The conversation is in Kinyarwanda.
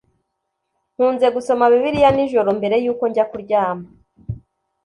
Nkunze gusoma Bibiliya nijoro mbere yuko njya kuryama